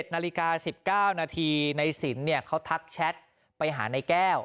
๑นาฬิกา๑๙นาทีในสินเขาทักแชทไปหานายแก้ว